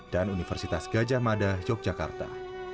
dan universitas gajah mada yogyakarta